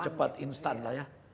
cepat instan lah ya